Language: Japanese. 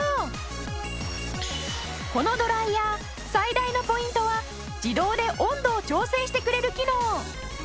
このドライヤー最大のポイントは自動で温度を調整してくれる機能。